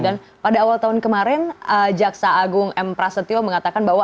dan pada awal tahun kemarin jaksa agung m prasetyo mengatakan bahwa